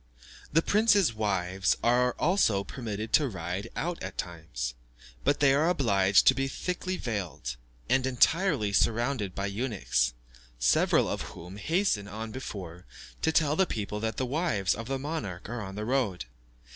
The prince's wives are also permitted to ride out at times, but they are obliged to be thickly veiled, and entirely surrounded by eunuchs, several of whom hasten on before, to tell the people that the wives of the monarch are on the road.